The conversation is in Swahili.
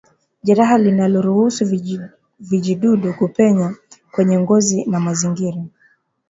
Jeraha linaloruhusu vijidudu kupenya kwenye ngozi na mazingira